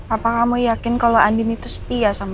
apa kamu yakin kalau andin itu setia sama kamu